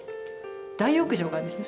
大浴場があるんですね